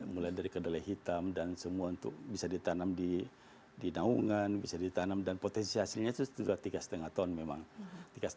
mulai dari kedelai hitam dan semua untuk bisa ditanam di naungan bisa ditanam dan potensi hasilnya itu sudah tiga lima ton memang